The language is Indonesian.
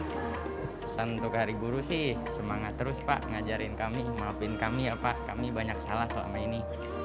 pesan untuk hari guru sih semangat terus pak ngajarin kami maafin kami ya pak kami banyak salah selama ini